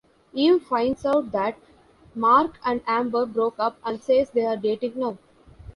Eve finds out that Mark and Amber broke up and says they're dating now.